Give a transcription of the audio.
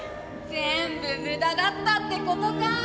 「全部無駄だったってことか」。